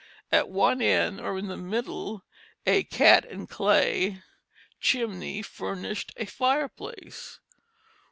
At one end, or in the middle, a "cat and clay" chimney furnished a fireplace.